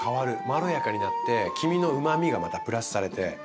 まろやかになって黄身のうまみがまたプラスされて。